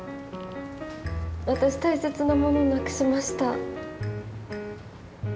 私大切なものなくしました。